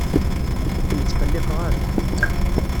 Ur kem-ttqelliqeɣ ara.